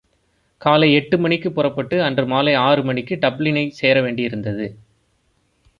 காலை எட்டுமணிக்குப் புறப்பட்டு, அன்று மாலை ஆறு மணிக்கு டப்ளினைச் சேரவேண்டியிருந்தது.